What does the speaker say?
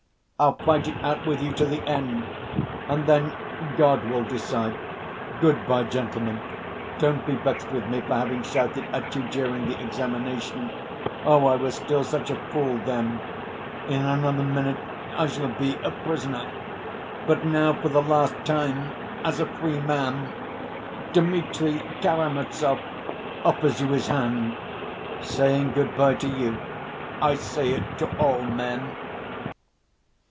I'll fight it out with you to the end, and then God will decide. Good‐by, gentlemen, don't be vexed with me for having shouted at you during the examination. Oh, I was still such a fool then.... In another minute I shall be a prisoner, but now, for the last time, as a free man, Dmitri Karamazov offers you his hand. Saying good‐by to you, I say it to all men."